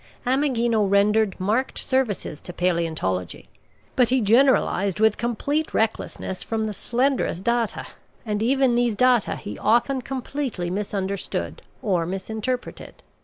Ameghino rendered marked services to paleontology. But he generalized with complete recklessness from the slenderest data; and even these data he often completely misunderstood or misinterpreted.